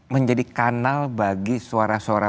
menjadi kanal bagi suara suara